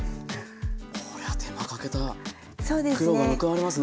これは手間かけた苦労が報われますね。